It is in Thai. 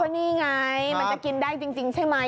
นี่ไงมันจะกินได้จริงใช่ไหม